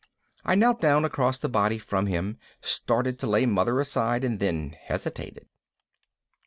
I knelt down across the body from him, started to lay Mother aside and then hesitated.